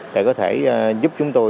để có thể giúp chúng tôi